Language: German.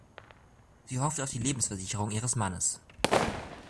Sie hofft auf die Lebensversicherung ihres Mannes.